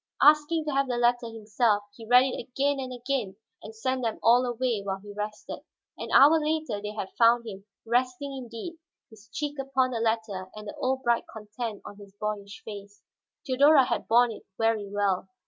Asking to have the letter himself, he read it again and again, then sent them all away while he rested. An hour later they had found him, resting indeed, his cheek upon the letter and the old bright content on his boyish face. Theodora had borne it very well.